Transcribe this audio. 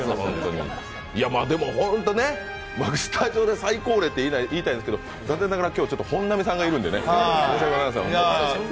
でも本当にね、スタジオで最高齢って言いたいんですけど残念ながら今日は本並さんがいるのでね。